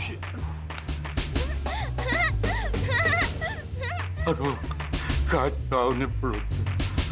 selamat omong unisten